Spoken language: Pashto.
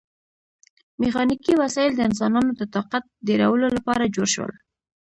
میخانیکي وسایل د انسانانو د طاقت ډیرولو لپاره جوړ شول.